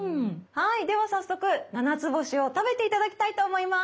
はいでは早速ななつぼしを食べて頂きたいと思います。